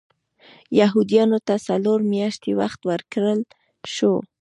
یهودیانو ته څلور میاشتې وخت ورکړل شو.